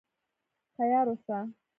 تیار اوسه.